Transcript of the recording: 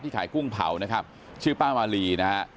ขายกุ้งเผานะครับชื่อป้ามาลีนะฮะ